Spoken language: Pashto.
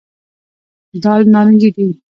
دال نارنجي دي.